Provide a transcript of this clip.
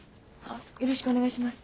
よろしくお願いします。